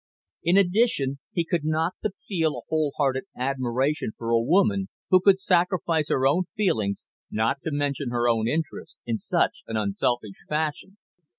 In addition, he could not but feel a whole hearted admiration for a woman who could sacrifice her own feelings, not to mention her own interests, in such an unselfish fashion.